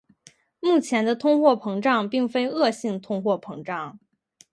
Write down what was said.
目前的通货膨胀并非恶性通货膨胀。